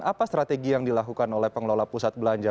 apa strategi yang dilakukan oleh pengelola pusat belanja